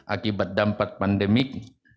akibat dampak pandemik